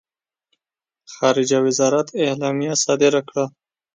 خارجه وزارت اعلامیه صادره کړه.